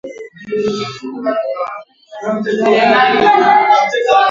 petroli ardhini Mapato kutokana na mafuta yalileta maendeleo makubwa